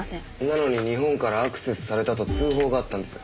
なのに日本からアクセスされたと通報があったんです。